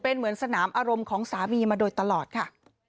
เป็นเหมือนสนามอารมณ์ของสามีมาโดยตลอดค่ะ